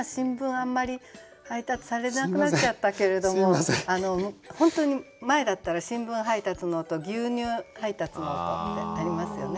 あんまり配達されなくなっちゃったけれども本当に前だったら「新聞配達の音」「牛乳配達の音」ってありますよね。